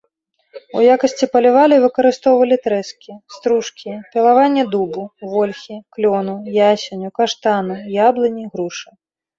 У якасці палівалі выкарыстоўвалі трэскі, стружкі, пілаванне дубу, вольхі, клёну, ясеню, каштану, яблыні, грушы.